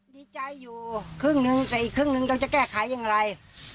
ดีใจอยู่ครึ่งหนึ่งแต่อีกครึ่งหนึ่งเราจะแก้ไขอย่างไร